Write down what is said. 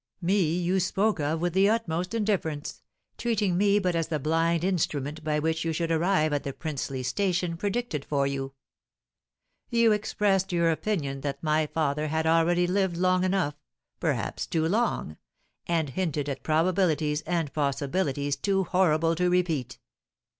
Me you spoke of with the utmost indifference, treating me but as the blind instrument by which you should arrive at the princely station predicted for you. You expressed your opinion that my father had already lived long enough, perhaps too long; and hinted at probabilities and possibilities too horrible to repeat!"